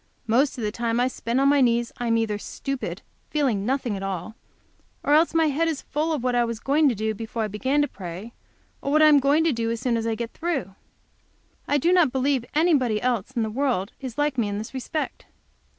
Most of the time I spend on my knees I am either stupid; feeling nothing at all, or else my head is full of what I was doing before I began to pray, or what I am going to do as soon as I get through. I do not believe anybody else in the world is like me in this respect.